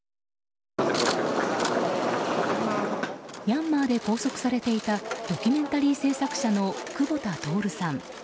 ミャンマーで拘束されていたドキュメンタリー制作者の久保田徹さん。